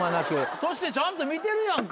そしてちゃんと見てるやんか。